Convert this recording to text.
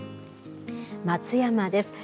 松山です。